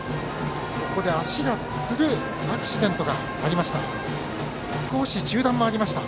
ここで足がつるアクシデントがありました。